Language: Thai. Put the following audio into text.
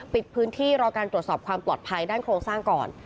ปิดพื้นที่รอการตรวจสอบความปลอดภัยด้านโครงสร้างก่อน